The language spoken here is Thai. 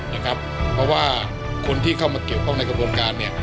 เพราะว่าคนที่เข้ามาเกี่ยวข้องในกระบวนการเนี่ย